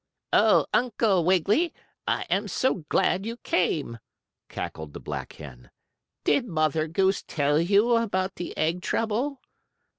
"Oh, Uncle Wiggily, I am so glad you came!" cackled the black hen. "Did Mother Goose tell you about the egg trouble?"